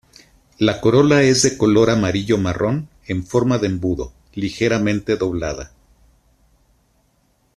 La corola es de color amarillo-marrón, en forma de embudo, ligeramente doblada.